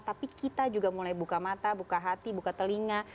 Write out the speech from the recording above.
tapi kita juga mulai buka mata buka hati buka telinga